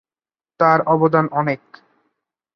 তাঁর অবদান অনেক।